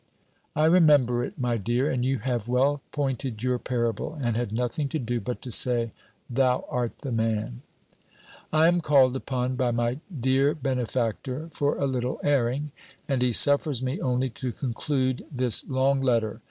_" "I remember it, my dear and you have well pointed your parable, and had nothing to do, but to say 'Thou art the man!'" I am called upon by my dear benefactor for a little airing, and he suffers me only to conclude this long letter.